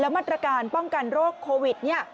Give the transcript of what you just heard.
มาตรการป้องกันโรคโควิด